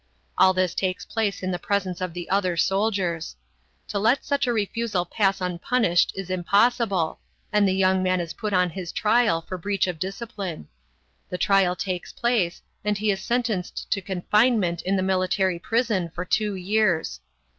All this takes place in the presence of the other soldiers. To let such a refusal pass unpunished is impossible, and the young man is put on his trial for breach of discipline. The trial takes place, and he is sentenced to confinement in the military prison for two years.